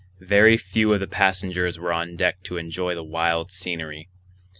Very few of the passengers were on deck to enjoy the wild scenery.